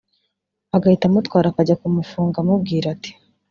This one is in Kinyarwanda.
agahita amutwara akajya kumufunga amubwira ati